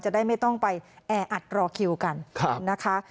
จะได้ไม่ต้องไปแออัดรอคิวกันนะคะ